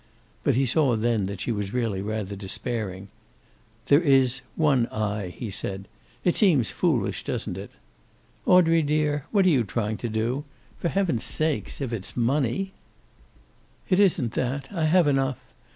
But he saw then that she was really rather despairing. "There is, one 'i,'" he said. "It seems foolish, doesn't it? Audrey dear, what are you trying to do? For heaven's sake, if it's money?" "It isn't that. I have enough.